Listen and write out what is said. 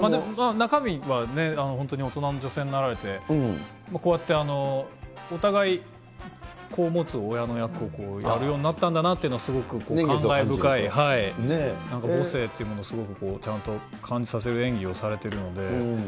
中身は、本当に大人の女性になられて、こうやってお互い、子を持つ親の役をやるようになったんだなっていうのが、すごく感慨深い、母性っていうものをすごくちゃんと感じさせる演技をされてるので。